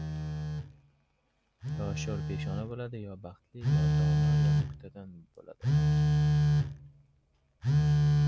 yo sho‘rpeshona bo‘ladi, yo baxtli, yo dono, yo nuktadon bo‘ladi!